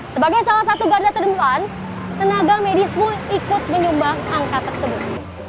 sebagai salah satu garda terdepan tenaga medis pun ikut menyumbang angka tersebut